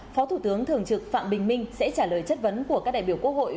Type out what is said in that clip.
phó thủ tướng thường trực phạm bình minh sẽ trả lời chất vấn của các đại biểu quốc hội